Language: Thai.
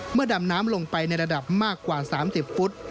ดำน้ำลงไปในระดับมากกว่า๓๐ฟุต